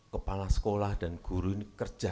kepala sekolah dan guru ini kerja